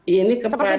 ini kepada tamir masjid